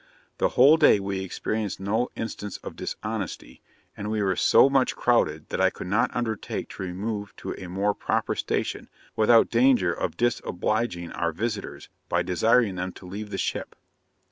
The whole day we experienced no instance of dishonesty; and we were so much crowded, that I could not undertake to remove to a more proper station, without danger of disobliging our visitors, by desiring them to leave the ship.'